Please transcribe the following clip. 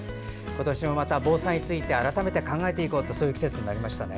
今年もまた防災について改めて考えていこうというそういう季節になりましたね。